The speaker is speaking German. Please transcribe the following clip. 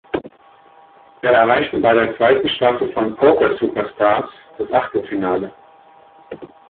Er erreichte bei der zweiten Staffel von "Poker Superstars" das Achtelfinale.